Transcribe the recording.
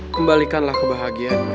kembalikanlah kebahagiaan mereka